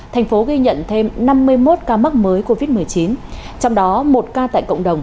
thành phố ghi nhận thêm năm mươi một ca mắc mới covid một mươi chín